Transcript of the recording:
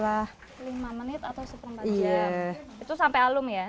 itu sampai alun ya